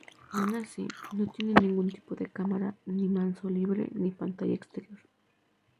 Aun así, no tiene ningún tipo de cámara, ni manso libres ni pantalla exterior.